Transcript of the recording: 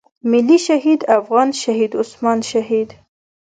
ملي شهيد افغان شهيد عثمان شهيد.